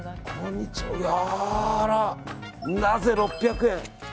あら、なぜ６００円。